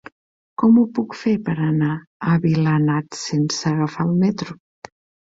Com ho puc fer per anar a Vilanant sense agafar el metro?